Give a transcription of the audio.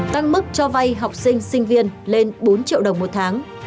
tăng mức cho vay học sinh sinh viên lên bốn triệu đồng một tháng